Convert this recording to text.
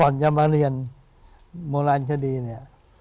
ก่อนจะมาเรียนโมลันธิดี